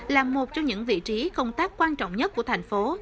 là một trong những vị trí công tác quan trọng nhất của thành phố